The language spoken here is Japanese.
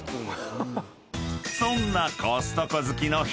［そんなコストコ好きの］